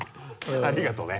ありがとね。